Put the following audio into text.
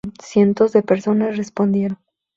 Cientos de personas respondieron.